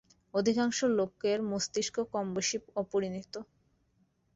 অধিকাংশ লোকের মস্তিষ্ক কমবেশী অপরিণত।